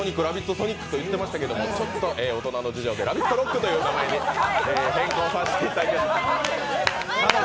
ソニックと言っていましたけどちょっと大人の事情で「ラヴィット！ロック」という名前に変更させていただきます。